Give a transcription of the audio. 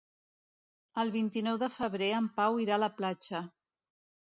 El vint-i-nou de febrer en Pau irà a la platja.